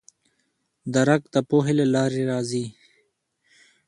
درک د پوهې له لارې راځي.